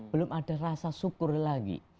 belum ada rasa syukur lagi